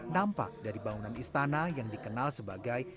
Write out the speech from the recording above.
nampak dari bangunan istana yang dikenal sebagai